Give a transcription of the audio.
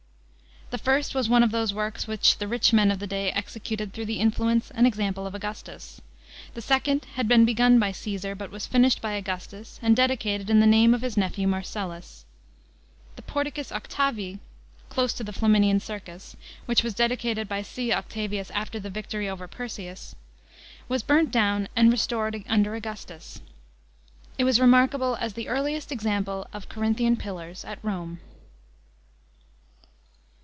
The first was one of those works which the rich men of the day executed through the influence and example of Augustus. The second had been begun by Csesar, but was finished by Augustus and dedicated in the name of his nephew Marcellus. The Portions Octavii (close to the Flaminian Circus), which was dedicated by Cn. Octavius after the victory over Perseus, was burnt down and restored un»ler Augustus. It was remarkable as the earliest example of Corinthian pillars at Rome.